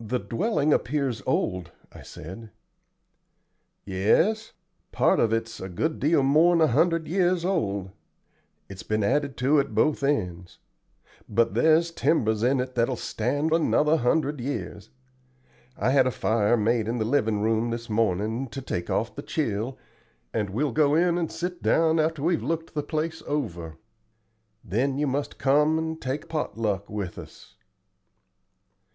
"The dwelling appears old," I said. "Yes; part of it's a good deal more'n a hundred years old. It's been added to at both ends. But there's timbers in it that will stand another hundred years. I had a fire made in the livin' room this mornin', to take off the chill, and we'll go in and sit down after we've looked the place over. Then you must come and take pot luck with us."